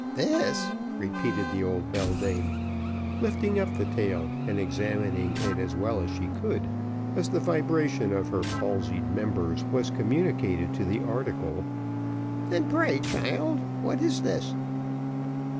"This!" repeated the old beldame, lifting up the tail, and examining it as well as she could, as the vibration of her palsied members were communicated to the article and pray, child, what is this?"